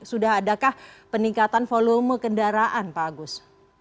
sudah adakah peningkatan volume kendaraan pak agus